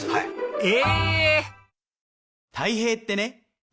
え